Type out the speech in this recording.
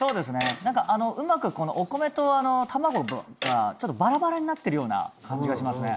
何かうまくお米と卵がちょっとバラバラになってるような感じがしますね